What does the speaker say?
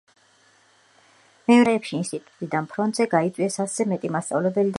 მეორე მსოფლიო ომის პირველივე დღეებში ინსტიტუტიდან ფრონტზე გაიწვიეს ასზე მეტი მასწავლებელი და სტუდენტი.